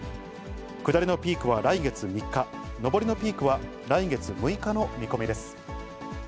下りのピークは来月３日、上りのピークは来月６日の見込みです。